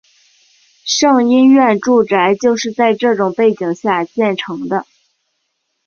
胜因院住宅就是在这种背景下建成的。